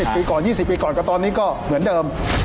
ปีก่อน๒๐ปีก่อนก็ตอนนี้ก็เหมือนเดิม